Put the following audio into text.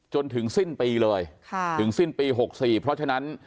จนถึงสิ้นปีเลยถึงสิ้นปี๖๔เพราะฉะนั้น